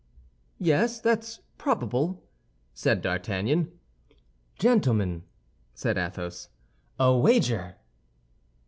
"Yes, that's probable," said D'Artagnan. "Gentlemen," said Athos, "a wager!"